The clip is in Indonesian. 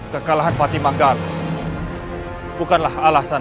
kekalahan patih manggala bukanlah alasan